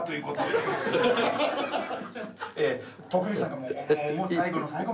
徳光さんがもう。